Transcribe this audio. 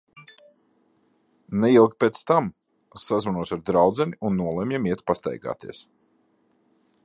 Neilgi pēc tam, sazvanos ar draudzeni un nolemjam iet pastaigāties.